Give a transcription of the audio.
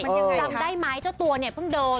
มันยังจำได้ไหมเจ้าตัวเนี่ยเพิ่งโดน